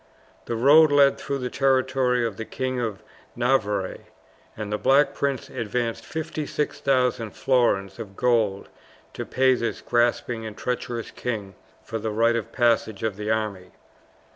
The road led through the territory of the King of Navarre, and the Black Prince advanced 56,000 florins of gold to pay this grasping and treacherous king for the right of passage of the army.